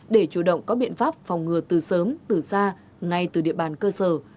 để chủ động có biện pháp phòng ngừa từ sớm từ xa ngay từ địa bàn cơ sở